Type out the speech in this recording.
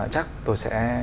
chắc tôi sẽ